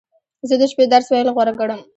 زه د شپې درس ویل غوره ګڼم.